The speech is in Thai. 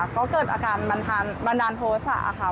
ก็เกิดอาการบันดาลโทษะค่ะ